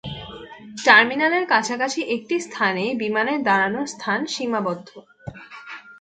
টার্মিনালের কাছাকাছি একটি স্থানেই বিমানের দাঁড়ানোর স্থান সীমাবদ্ধ।